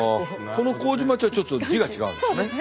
この糀町はちょっと字が違うんですね。